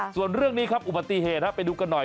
ส่วนเรื่องนี้ครับอุบัติเหตุไปดูกันหน่อย